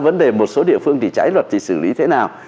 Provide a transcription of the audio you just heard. vấn đề một số địa phương thì trái luật thì xử lý thế nào